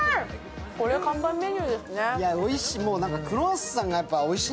これは看板メニューですね。